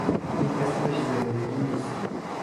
این اسمش زندگی نیست.